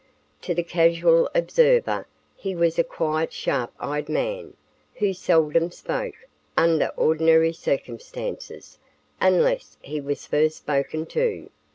To the casual observer, he was a quiet sharp eyed man, who seldom spoke, under ordinary circumstances, unless he was first spoken to.